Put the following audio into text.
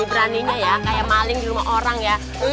beraninya ya kayak maling di rumah orang ya